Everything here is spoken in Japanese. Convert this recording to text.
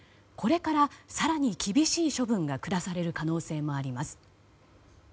これから、更に厳しい処分が下される可能性もあります。